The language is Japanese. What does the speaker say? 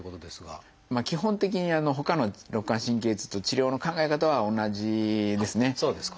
基本的にほかの肋間神経痛と治療の考え方は同じですね。